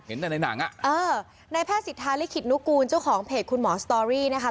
เห็นแต่ในหนังอ่ะเออในแพทย์สิทธาลิขิตนุกูลเจ้าของเพจคุณหมอสตอรี่นะคะ